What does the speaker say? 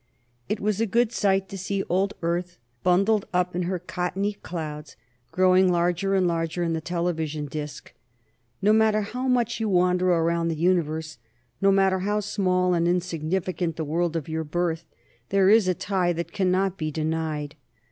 It was a good sight to see old Earth, bundled up in her cottony clouds, growing larger and larger in the television disc. No matter how much you wander around the Universe, no matter how small and insignificant the world of your birth, there is a tie that cannot be denied.